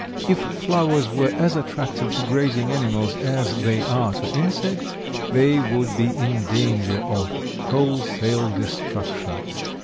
If flowers were as attractive to grazing animals as they are to insects they would be in danger of wholesale destruction.